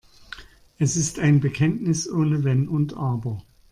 Es ist ein Bekenntnis ohne Wenn und Aber.